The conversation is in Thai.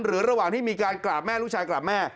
ระหว่างที่มีการกราบแม่ลูกชายกราบแม่